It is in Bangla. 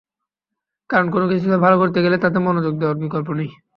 কারণ, কোনো কিছুতে ভালো করতে গেলে তাতে মনোযোগ দেওয়ার বিকল্প নেই।